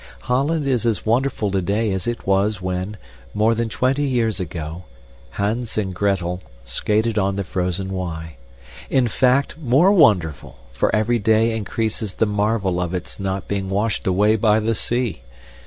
Holland is as wonderful today as it was when, more than twenty years ago, Hans and Gretel skated on the frozen Y. In fact, more wonderful, for every day increases the marvel of its not being washed away by the sea.